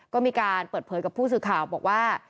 ก็มีการเปิดเผยกับผู้สื่อข่าวบอกว่า